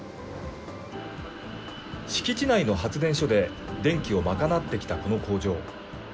敷地内の発電所で電気を賄ってきたこの工場。